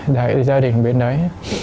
đại gia đình bên đấy